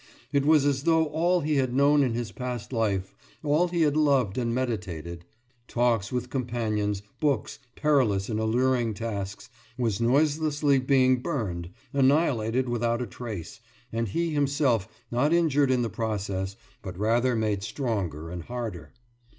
It was as though all he had known in his past life, all he had loved and meditated talks with companions, books, perilous and alluring tasks was noiselessly being burned, annihilated without a trace, and he himself not injured in the process, but rather made stronger and harder.